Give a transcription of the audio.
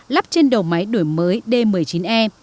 lắp trên đầu máy đổi mới d một mươi chín e